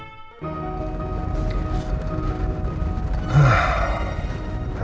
aku mau ke rumah